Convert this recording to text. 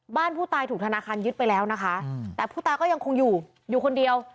บ้านผู้ตายถูกธนาคารยึดไปแล้วนะคะแต่ผู้ตายก็ยังคงอยู่อยู่คนเดียว